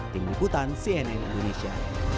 tim liputan cnn indonesia